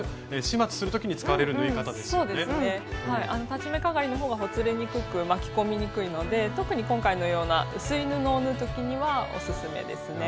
裁ち目かがりの方がほつれにくく巻き込みにくいので特に今回のような薄い布を縫う時にはオススメですね。